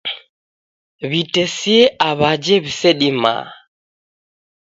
W'itesie aw'aje w'isedimaa